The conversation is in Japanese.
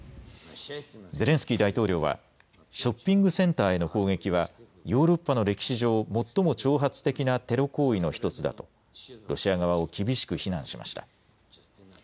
ゼレンスキー大統領はショッピングセンターへの攻撃はヨーロッパの歴史上、最も挑発的なテロ行為の１つだとロシア側を厳しく非難しました。